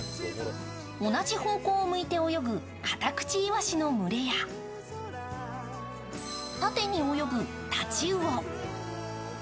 同じ方向を向いて泳ぐカタクチイワシの群れや縦に泳ぐタチウオ。